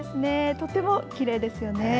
とてもきれいですよね。